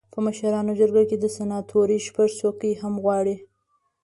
په مشرانو جرګه کې د سناتورۍ شپږ څوکۍ هم غواړي.